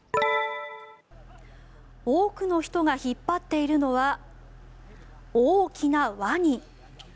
多くの人が引っ張っているのは大きなワニ。